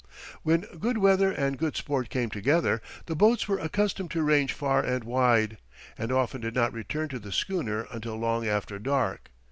When good weather and good sport came together, the boats were accustomed to range far and wide, and often did not return to the schooner until long after dark.